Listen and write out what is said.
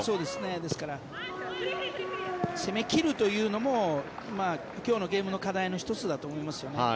ですから攻め切るというのも今日のゲームの課題の１つだと思いますよね。